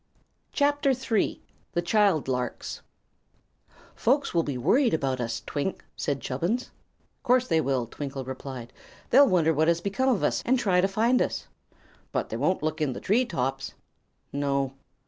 [CHAPTER III] The Child Larks "Folks will be worried about us, Twink," said Chubbins. "'Course they will," Twinkle replied. "They'll wonder what has become of us, and try to find us." "But they won't look in the tree tops." "No."